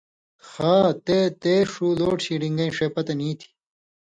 خا تے تے ݜُو لوڈ شیڈِن٘گَیں ݜے پتہۡ نی تھی